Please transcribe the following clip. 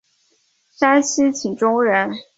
山西忻州人。